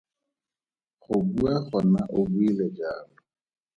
Go bua gona o buile jalo.